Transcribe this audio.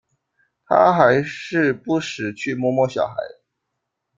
他还是不时去摸摸小孩